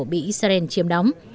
bị israel chiếm đóng